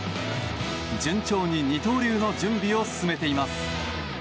順調に二刀流の準備を進めています。